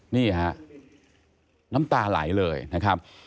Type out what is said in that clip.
นี่ครับน้ำตาหลายเลยนะครับ